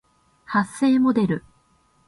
発声モデル